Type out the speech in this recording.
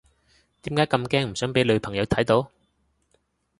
點解咁驚唔想俾女朋友睇到？